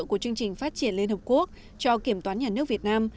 của chương trình phát triển liên hợp quốc cho kiểm toán nhà nước việt nam